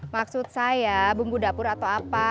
maksud saya bumbu dapur atau apa